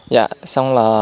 dạ xong là